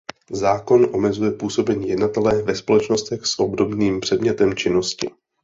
Zákon omezuje působení jednatele ve společnostech s obdobným předmětem činnosti.